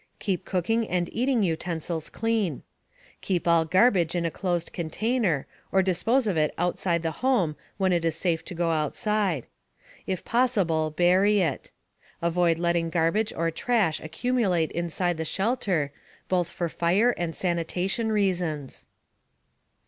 Keep cooking and eating utensils clean. Keep all garbage in a closed container, or dispose of it outside the home when it is safe to go outside. If possible, bury it. Avoid letting garbage or trash accumulate inside the shelter, both for fire and sanitation reasons.